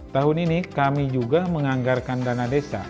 tahun ini kami juga menganggarkan dana desa